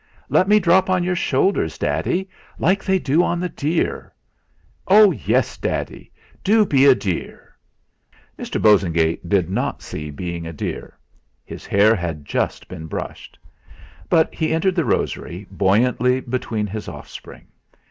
"Let me drop on your shoulders, Daddy like they do on the deer." "Oh, yes! Do be a deer, Daddy!" Mr. Bosengate did not see being a deer; his hair had just been brushed. But he entered the rosery buoyantly between his offspring.